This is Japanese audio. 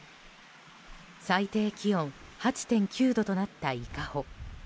最低気温８．９度となった伊香保。